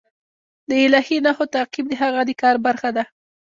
د الهي نښو تعقیب د هغه د کار برخه ده.